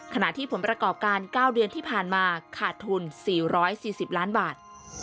ขณะที่ผลประกอบการ๙เดือนที่ผ่านมาขาดทุน๔๔๐ล้านบาท